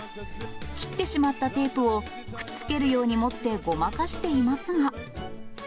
切ってしまったテープをくっつけるように持ってごまかしていますが。